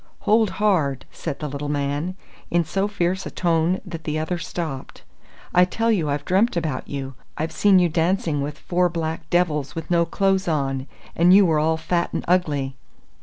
"Hold hard," said the little man, in so fierce a tone that the other stopped. "I tell you I've dreamt about you. I've seen you dancing with four black devils with no clothes on, and you were all fat and ugly."